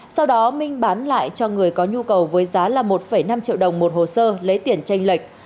sau đó minh bán lại cho người có nhu cầu với giá là một năm triệu đồng một hồ sơ lấy tiền tranh lệch